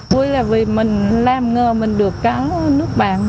vui là vì mình làm ngờ mình được cắn nước bạn